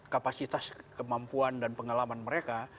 kapasitas kemampuan dan pengalaman mereka